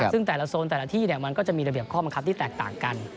ซึ่งแต่ละโซนแต่ละที่มันก็จะมีระเบียบข้อบังคับที่แตกต่างกัน